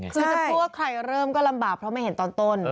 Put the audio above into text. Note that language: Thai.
คือจะพูดว่าใครเริ่มก็ลำบากเพราะไม่เห็นตอนต้น